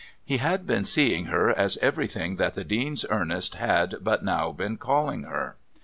He had been seeing her as everything that the Dean's Ernest had but now been calling her.